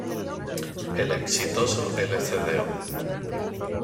El exitoso Lcdo.